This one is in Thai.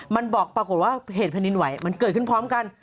มันบอกปรากฏว่าเหตุแผ่นดินไหวมันเกิดขึ้นพร้อมกัน